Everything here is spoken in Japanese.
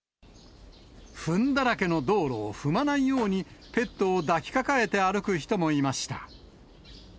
ふんだらけの道路を踏まないように、ペットを抱きかかえて歩く人もいました。